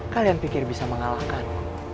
kalian pikir bisa mengalahkan